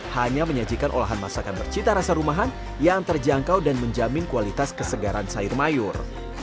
hanya menyajikan olahan masakan bercita rasa rumahan yang terjangkau dan menjamin kualitas kesegaran sayur mayur